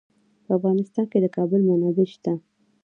په افغانستان کې د کابل منابع شته.